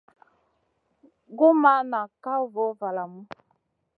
Gu ma ŋahn ka voh valamu.